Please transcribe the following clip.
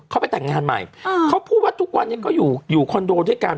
เขาไปแต่งงานใหม่เขาพูดว่าทุกวันนี้ก็อยู่อยู่คอนโดด้วยกัน